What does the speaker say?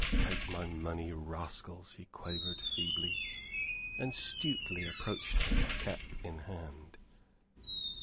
"Take my money, rascals," he quavered, feebly; and Stuteley approached him, cap in hand.